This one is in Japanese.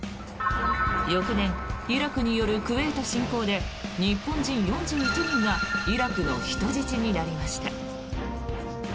翌年イラクによるクウェート侵攻で日本人４１人がイラクの人質になりました。